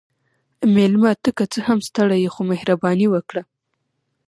مېلمه ته که څه هم ستړی يې، خو مهرباني وکړه.